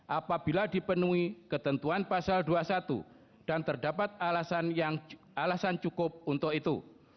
apabila dipenuhi ketentuan pasal dua puluh satu dan terdapat alasan cukup untuk itu